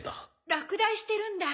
落第してるんだ。